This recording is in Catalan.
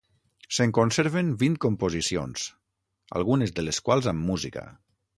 Se'n conserven vint composicions, algunes de les quals amb música.